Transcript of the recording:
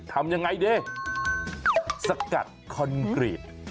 ทำอย่างไรดิสกัดคอนกรีต